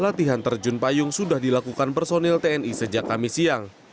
latihan terjun payung sudah dilakukan personil tni sejak kamis siang